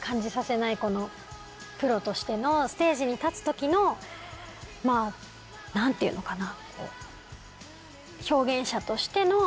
プロとしてのステージに立つ時のまぁ何ていうのかな。